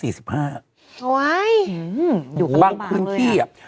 โอ้ยดูประโบบังเลย